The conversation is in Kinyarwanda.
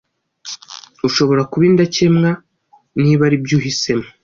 ushobora kuba indakemwa niba ari byo uhisemo